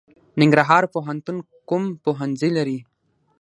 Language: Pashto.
ننګرهار پوهنتون کوم پوهنځي لري؟